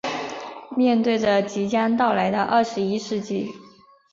面对着即将到来的二十一世纪